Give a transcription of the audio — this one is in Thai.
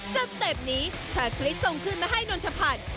สเต็ปนี้ชาคริสส่งขึ้นมาให้นนทพัฒน์